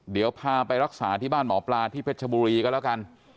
เดี๋ยวพาไปรักษาที่บ้านหมอปลาที่เพชรชบุรีก็แล้วกัน